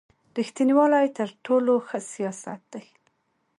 رېښتینوالي تر ټولو ښه سیاست دی.